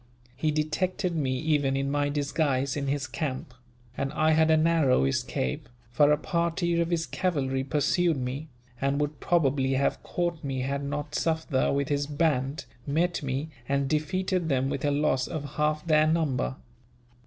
He detected me, even in my disguise in his camp; and I had a narrow escape, for a party of his cavalry pursued me, and would probably have caught me had not Sufder, with his band, met me, and defeated them with a loss of half their number.